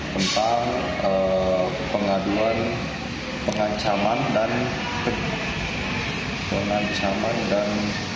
tentang pengaduan pengancaman dan membuat perasaan tidak menyedihkan